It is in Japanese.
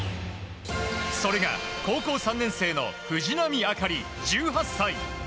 それが高校３年生の藤波朱理、１８歳。